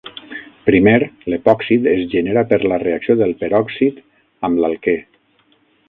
Primer, l'epòxid es genera per la reacció del peròxid amb l'alquè.